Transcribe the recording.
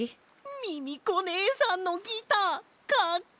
ミミコねえさんのギターかっこいい！